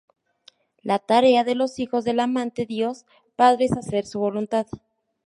La tarea de los hijos del amante Dios padre es hacer su voluntad.